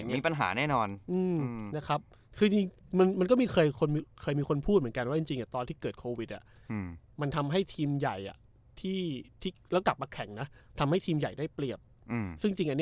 มีปัญหาแน่นอนมันก็เคยมีคนพูดว่าจริงตอนที่เกิดโควิดมันทำให้ทีมใหญ่แล้วกลับมาแข่งนะ